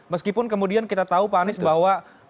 meskipun kemudian kita tahu pak anies bahwa